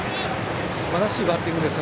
すばらしいバッティングです。